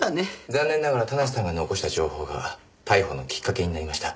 残念ながら田無さんが残した情報が逮捕のきっかけになりました。